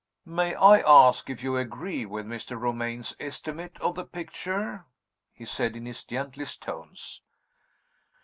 "May I ask if you agree with Mr. Romayne's estimate of the picture?" he said, in his gentlest tones.